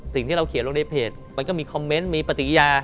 สิ่งที่เราเขียนลงในเพจมันก็มีคอมเมนต์มีปฏิกิยา